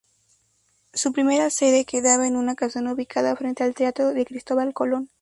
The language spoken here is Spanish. Su primera sede quedaba en una casona ubicada frente al Teatro de Cristóbal Colón.